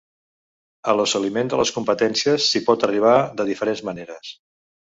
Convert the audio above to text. A l'assoliment de les competències s'hi pot arribar de diferents maneres.